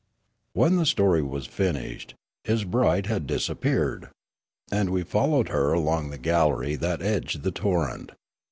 When the story was finished, his bride had disap peared ; and we followed her along the gallery that Nookoo .^o O^D edged the torrent.